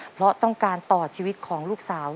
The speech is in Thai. เพราะต้องการต่อชีวิตของลูกสาว